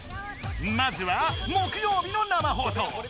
まずは木曜日の生放送。